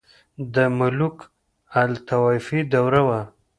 • د ملوکالطوایفي دوره وه.